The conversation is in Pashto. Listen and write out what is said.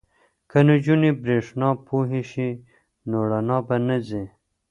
که نجونې بریښنا پوهې شي نو رڼا به نه ځي.